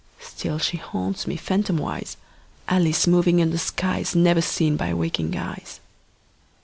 Still she haunts me, phantomwise, Alice moving under skies Never seen by waking eyes.